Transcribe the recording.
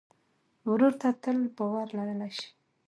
ورور ته تل باور لرلی شې.